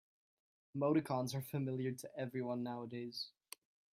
Emoticons are familiar to everyone nowadays.